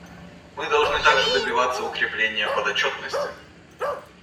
Мы должны также добиваться укрепления подотчетности.